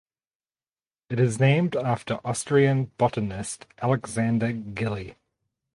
It is named after Austrian botanist Alexander Gilli.